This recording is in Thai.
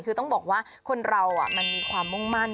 คือต้องบอกว่าคนเรามันมีความมุ่งมั่น